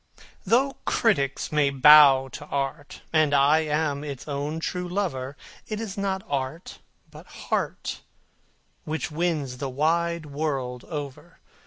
Though critics may bow to art, and I am its own true lover, It is not art, but heart, which wins the wide world over.